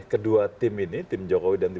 kedua tim ini tim jokowi dan tim